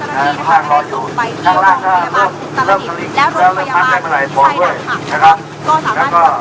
สวัสดีครับ